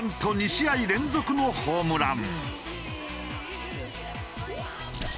２打席連続ホームラン。